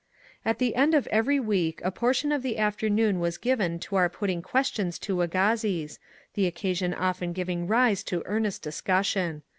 At the end of every week a portion of the afteruoon was given for our putting questions to Agassiz, the occasion often giving rise to earnest discussion.